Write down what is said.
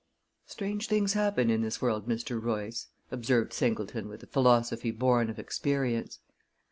"Strange things happen in this world, Mr. Royce," observed Singleton with a philosophy born of experience.